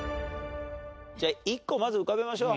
じゃあ一個まず伺いましょう。